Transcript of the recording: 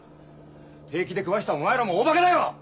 平気で食わしたお前らも大バカだよ！